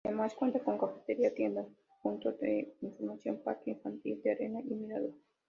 Además cuenta con cafetería, tienda, punto de información, parque infantil de arena y mirador.